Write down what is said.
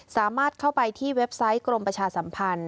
สามารถเข้าไปที่เว็บไซต์กรมประชาสัมพันธ์